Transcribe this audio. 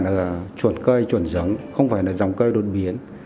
là chuẩn cây chuẩn giống không phải là dòng cây đột biến